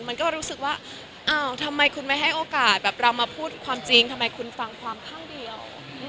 มันก็รู้สึกว่าอ้าวทำไมคุณไม่ให้โอกาสแบบเรามาพูดความจริงทำไมคุณฟังความข้างเดียว